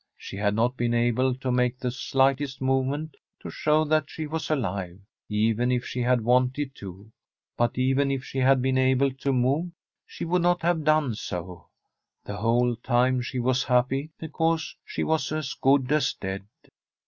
She had not been able to make the slightest movement to show that she was alive, even if she had wanted to; but even if she had been able to move, she would not have done so ; the whole time she was happy because she was as good as dead.